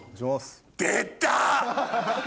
出た！